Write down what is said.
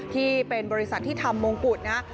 ที่เป็นบริษัทที่ทำมงกุฎนะฮะ